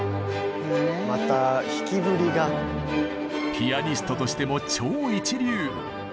ピアニストとしても超一流。